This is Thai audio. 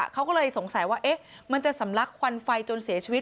เขาก็เลยสงสัยว่ามันจะสำลักควันไฟจนเสียชีวิต